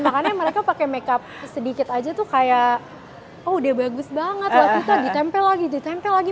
makanya mereka pakai make up sedikit aja tuh kayak oh udah bagus banget lah kita ditempel lagi ditempel lagi